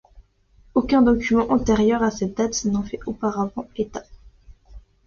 Aucun document antérieur à cette date n’en fait auparavant état.